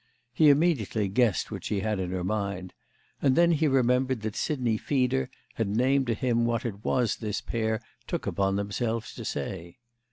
He immediately guessed what she had in her mind, and he then remembered that Sidney Feeder had named to him what it was this pair took upon themselves to say.